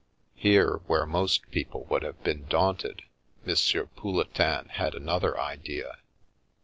Here, where most people would have been daunted, M. Pouletin had another idea.